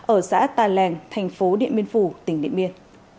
ở xã tà lèng tp điện biên phủ tỉnh điện biên